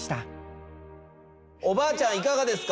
おばあちゃんいかがですか？